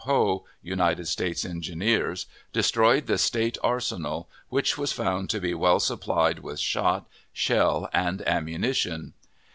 Poe, United States Engineers, destroyed the State Arsenal, which was found to be well supplied with shot, shell, and ammunition.